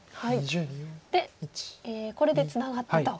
でこれでツナがってと。